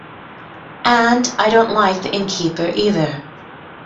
And I don't like the innkeeper either.